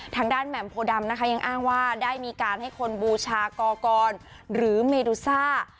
ทางด้านแหม่มโพดำยังอ้างว่าได้มีการให้คนบูชากอกอนหรือเมดูซ่า